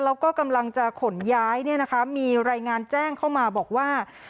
แล้วก็กำลังจะขนย้ายเนี่ยนะคะมีรายงานแจ้งเข้ามาบอกว่า